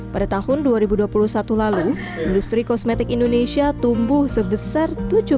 pada tahun dua ribu dua puluh satu lalu industri kosmetik indonesia tumbuh sebesar